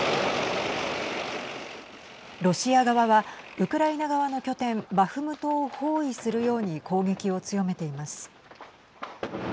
ロシア側はウクライナ側の拠点バフムトを包囲するように攻撃を強めています。